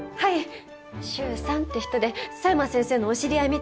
シュウさんって人で佐山先生のお知り合いみたいです。